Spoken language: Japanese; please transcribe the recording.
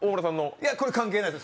いや、これは関係ないです。